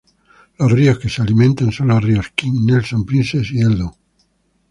Los ríos que le alimentan son los ríos King, Nelson, Princess y Eldon.